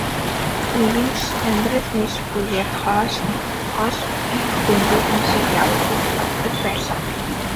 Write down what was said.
Нэгэнт л амьдрал нийлүүлэхгүйгээс хойш хол хөндийхөн шиг явъя гэж боддог байлаа.